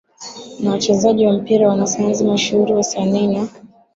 na wachezaji wa mpira wanasayansi mashuhuri wasanii na